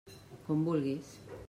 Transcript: Com vulguis.